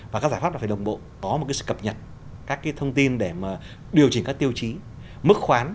và các giải pháp là phải đồng bộ có một cái sự cập nhật các cái thông tin để mà điều chỉnh các tiêu chí mức khoán